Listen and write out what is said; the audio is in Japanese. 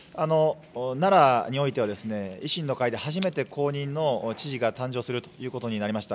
奈良においてはですね、維新の会で初めて公認の知事が誕生するということになりました。